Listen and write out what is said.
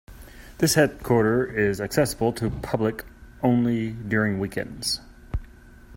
This headquarter is accessible to public only during weekends.